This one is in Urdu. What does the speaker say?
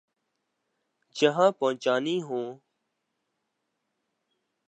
جہاں پہنچانی ہوں۔